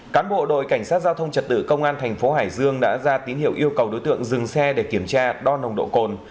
cán bộ đội cảnh sát giao thông trật tự công an thành phố hải dương đã ra tín hiệu yêu cầu đối tượng dừng xe để kiểm tra đo nồng độ cồn